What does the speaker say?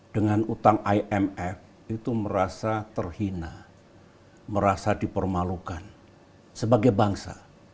dengan utang imf itu merasa terhina merasa dipermalukan sebagai bangsa